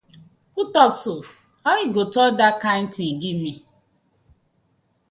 Who tok so, how yu go tok dat kind tin giv mi.